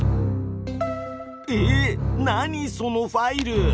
えっ何そのファイル！